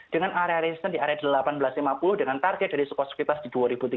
dengan area resisten di area delapan belas lima puluh dengan target dari sukort sukritas di dua tiga ratus lima puluh